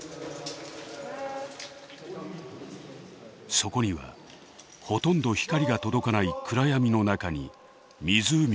そこにはほとんど光が届かない暗闇の中に湖があります。